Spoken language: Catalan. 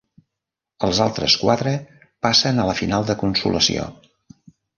Els altres quatre passen a la final de consolació.